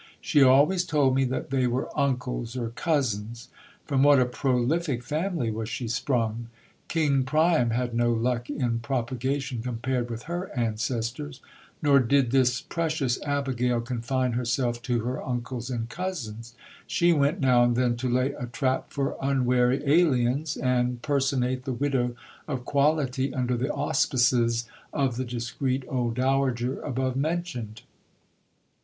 She always told me that they were uncles or cousins. From what a prolific family was she sprung ! King Priam had no luck in propagation, compared with her ancestors. Nor GIL BIAS QUITS ARSENICS SERVICE. did this precious abigail confine herself to her uncles and cousins : she went now and then to lay a trap for unwary aliens, and personate the widow of quality under the auspices of the discreet old dowager above mentioned.